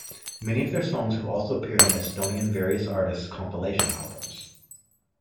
Many of their songs have also appeared on Estonian various artists compilation albums.